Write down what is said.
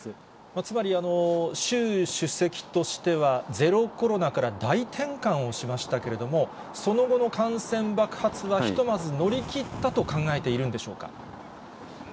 つまり、習主席としては、ゼロコロナから大転換をしましたけれども、その後の感染爆発はひとまず乗り切ったと考えているんでしょうか。